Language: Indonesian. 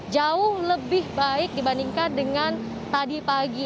jauh lebih baik dibandingkan dengan tadi pagi